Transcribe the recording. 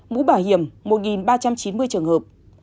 mũ bảo hiểm một ba trăm chín mươi trường hợp